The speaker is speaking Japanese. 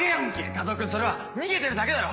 和男君それは逃げてるだけだろ！